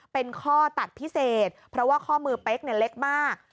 เป็นข้อตัดพิเศษเพราะว่าข้อมือเป๊กเล็กมาก